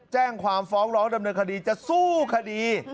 แจ้งความฟ้องร้องดำเนินคดีจะสู้คดี